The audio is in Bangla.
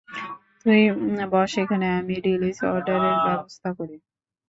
তুই বস এখানে, আমি রিলিজ-অর্ডারের ব্যবস্থা করি।